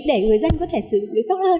để người dân có thể sử dụng được tốt hơn